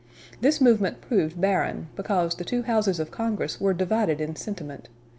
This movement proved barren, because the two houses of Congress were divided in sentiment.